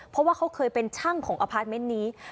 เพราะว่าเขาเคยเป็นช่างของอพาร์ทเมนต์นี้